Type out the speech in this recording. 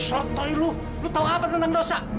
dari lo lo tau apa tentang dosa